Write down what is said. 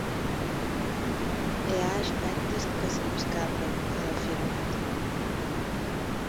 Hi ha aspectes que se m’escapen, ha afirmat.